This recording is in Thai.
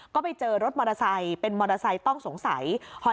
ก็ไปเจอรถมอเตอร์ไซค์เป็นมอเตอร์ไซค์ต้องสงสัย